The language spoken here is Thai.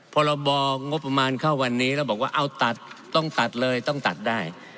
พรบงบประมาณเข้าวันนี้แล้วบอกว่าเอาตัดต้องตัดเลยต้องตัดได้